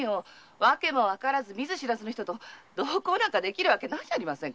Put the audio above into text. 訳も判らず見ず知らずの人と同行なんてできるわけないじゃありませんか。